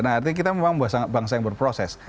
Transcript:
nah artinya kita memang bangsa yang berproses